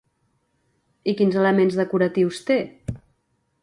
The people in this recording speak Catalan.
I quins elements decoratius té?